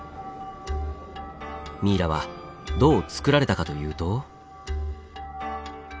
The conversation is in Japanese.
ミイラはどうつくられたかというと。